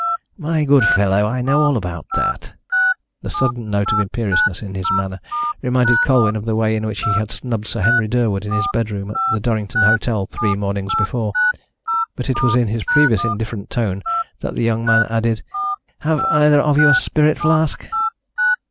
"My good fellow, I know all about that." The sudden note of imperiousness in his manner reminded Colwyn of the way in which he had snubbed Sir Henry Durwood in his bedroom at the Durrington hotel three mornings before. But it was in his previous indifferent tone that the young man added: "Have either of you a spirit flask?"